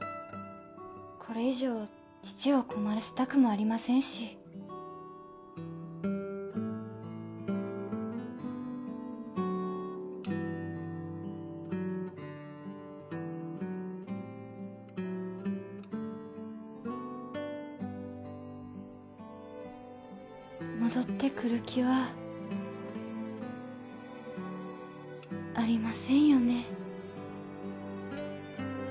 これ以上父を困らせたくもありませんし戻ってくる気はありませんよね？